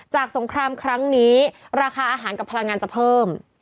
สงครามครั้งนี้ราคาอาหารกับพลังงานจะเพิ่ม